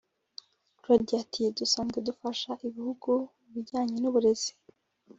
Claudio ati “ Dusanzwe dufasha ibihugu mu bijyanye n’uburezi